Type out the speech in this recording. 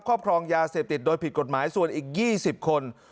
ครองยาเสพติดโดยผิดกฎหมายส่วนอีก๒๐คน